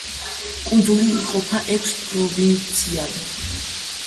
კუნძული იყოფა ექვს პროვინციად.